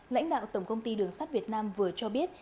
lãnh đạo tổng công ty đường sắt việt nam vừa cho biết